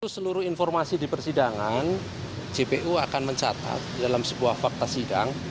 seluruh informasi di persidangan jpu akan mencatat dalam sebuah fakta sidang